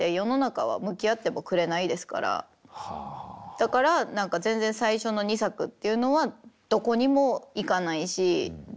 だから全然最初の２作っていうのはどこにも行かないし誰にも届かないし。